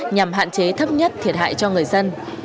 nhằm hạn chế thấp nhất thiệt hại cho người dân